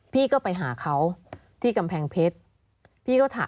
พี่ก็ไปหาเขาที่กำแพงเพชร